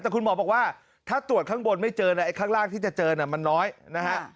แต่คุณหมอบอกว่าถ้าตรวจข้างบนไม่เจอเนี่ยไอ้ข้างล่างที่จะเจอน่ะมันน้อยนะฮะ